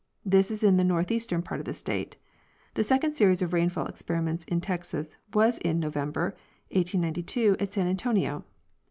This is in the northeastern part of the state. The second series of rainfall experiments in Texas was in November, 1892,at San Antonio.